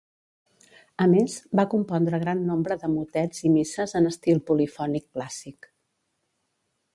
A més, va compondre, gran nombre de motets i misses en estil polifònic clàssic.